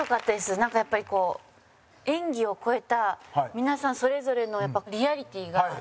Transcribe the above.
なんかやっぱり、こう、演技を超えた皆さん、それぞれのリアリティーが。